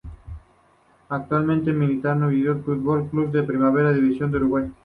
Actualmente milita Danubio Fútbol Club de la Primera División de Uruguay.